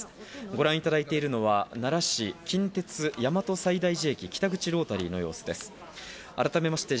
ご覧いただいているのは奈良市、近鉄・大和西大寺駅北口ロータリーの様子です。